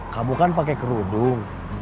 kamu kan pakai kerudung